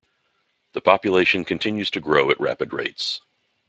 The population continues to grow at rapid rates.